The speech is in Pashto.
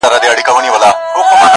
پاچاهان نه د چا وروڼه نه خپلوان دي-